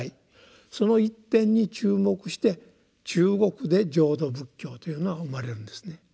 その一点に注目して中国で「浄土仏教」というのは生まれるんですね。